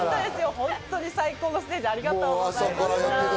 本当に最高のステージ、ありがとうございました。